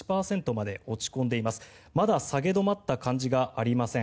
まだ下げ止まった感じがありません。